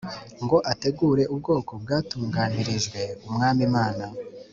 , ngo ategure ubwoko bwatunganirijwe Umwami Imana.